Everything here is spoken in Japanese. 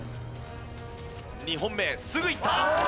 ２本目すぐいった。